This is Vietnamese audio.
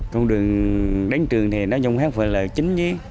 con đường đến trường thì nó dùng hát phở là chính chứ